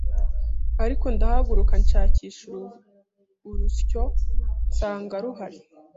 Ariko ndahaguruka nshakisha urusyo nsanga ruhari